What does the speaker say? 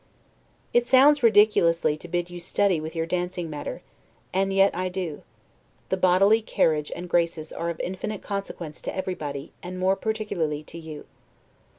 It sounds ridiculously to bid you study with your dancing master; and yet I do. The bodily carriage and graces are of infinite consequence to everybody, and more particularly to you.